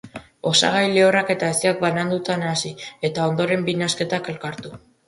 Osagai lehorrak eta hezeak bananduta nahasi, eta ondoren bi nahasketak elkartu.